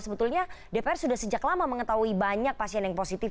sebetulnya dpr sudah sejak lama mengetahui banyak pasien yang positif